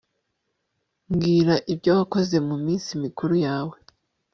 Mbwira ibyo wakoze muminsi mikuru yawe